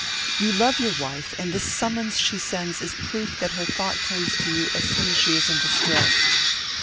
'You love your wife, and this summons she sends is proof that her thought turns to you as soon as she is in distress.